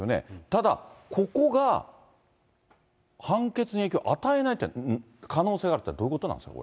ただ、ここが判決に影響与えないって可能性があるって、どういうことなんですか？